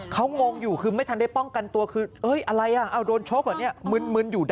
เขางงอยู่คือไม่ทันได้ป้องกันตัวคือ